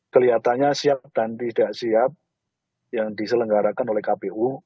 kelihatannya siap dan tidak siap yang diselenggarakan oleh kpu